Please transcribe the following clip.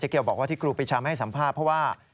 เกียวบอกว่าที่ครูปีชาไม่ให้สัมภาษณ์เพราะว่า